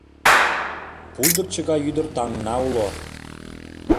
Пулдырчо гай ӱдыр таҥна уло.